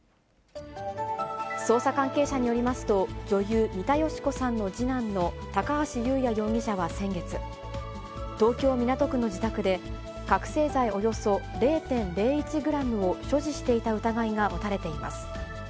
捜査関係者によりますと、女優、三田佳子さんの次男の高橋祐也容疑者は先月、東京・港区の自宅で、覚醒剤およそ０．０１グラムを所持していた疑いが持たれています。